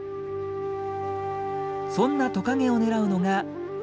そんなトカゲを狙うのがフクロウ。